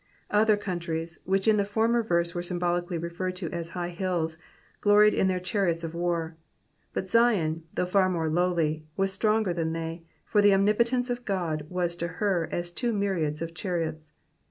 '''' Other countries, which in the former verse were symbolically refei red to as high hills," gloried in their chariots of war ; but Zion, though far more lov/ly, was stronger than they, for the omnipotence of God was to her as two myriads of chariots.